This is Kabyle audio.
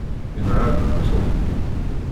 Inεel-d Tom.